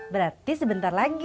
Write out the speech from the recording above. berarti sebentar lagi